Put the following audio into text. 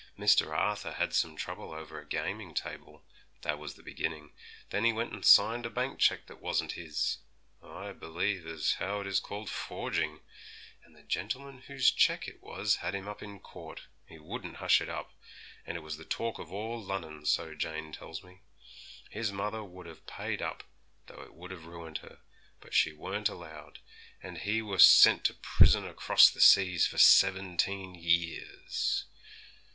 Mr. Arthur had some trouble over a gaming table; that was the beginning; then he went and signed a bank cheque that wasn't his I believe as how it is called forging, and the gentleman whose cheque it was had him up in court; he wouldn't hush it up, and it was the talk of all Lunnon, so Jane tells me. His mother would have paid up, though it would have ruined her; but she weren't allowed, and he were sent to prison across the seas for seventeen years.